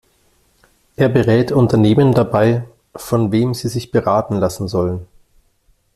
Er berät Unternehmen dabei, von wem sie sich beraten lassen sollen.